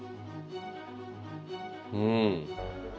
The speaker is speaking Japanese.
うん。